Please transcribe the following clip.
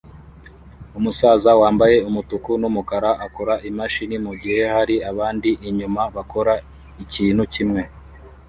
Umusaza wambaye umutuku numukara akora imashini mugihe hari abandi inyuma bakora ikintu kimwe